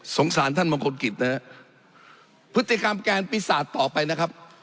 สารท่านมงคลกิจนะฮะพฤติกรรมแกนปีศาจต่อไปนะครับ